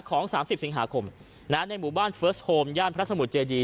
ของ๓๐สิงหาคมในหมู่บ้านเฟิร์สโฮมย่านพระสมุทรเจดี